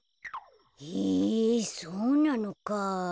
へえそうなのか。